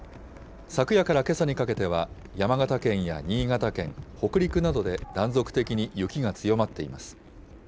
昨夜からけさにかけては、山形県や新潟県、北陸などで断続的に雪が強まっています。